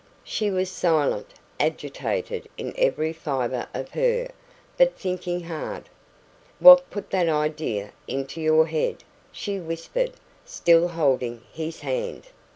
She was silent, agitated in every fibre of her, but thinking hard. "What put that idea into your head?" she whispered, still holding his hand.